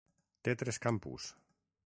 Té tres campus.